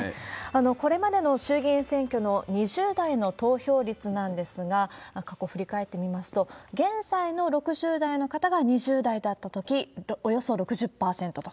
これまでの衆議院選挙の２０代の投票率なんですが、過去振り返ってみますと、現在の６０代の方が２０代だったときおよそ６０％と。